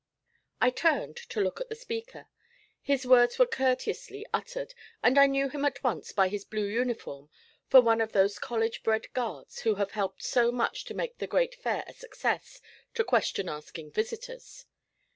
I turned to look at the speaker. His words were courteously uttered, and I knew him at once by his blue uniform for one of those college bred guards who have helped so much to make the great Fair a success to question asking visitors.